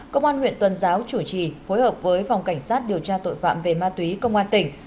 công an huyện tuần giáo chủ trì phối hợp với phòng cảnh sát điều tra tội phạm về ma túy công an tỉnh